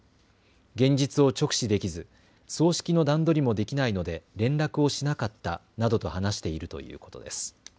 現実を直視できず葬式の段取りもできないので連絡をしなかったなどと話しているということです。